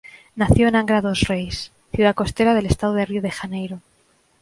Nació en Angra dos Reis, ciudad costera del estado de Río de Janeiro.